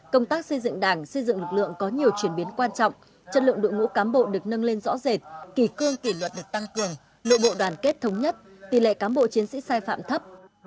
công tác xây dựng đảng xây dựng lực lượng có nhiều chuyển biến quan trọng chất lượng đội ngũ cán bộ được nâng lên rõ rệt kỳ cương kỳ luật được tăng cường nội bộ đoàn kết thống nhất tỷ lệ cán bộ chiến sĩ sai phạm thấp